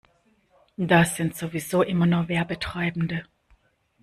Das sind sowieso immer nur Werbetreibende.